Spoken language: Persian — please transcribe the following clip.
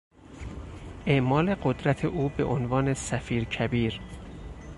اعمال قدرت او به عنوان سفیرکبیر